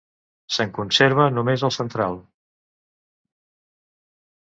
Se'n conserva només el central: